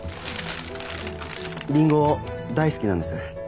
リンゴ大好きなんです。